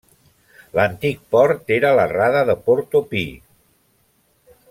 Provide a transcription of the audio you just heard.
L'antic port era la rada de Portopí.